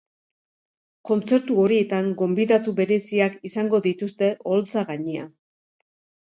Kontzertu horietan, gonbidatu bereziak izango dituzte oholtza gainean.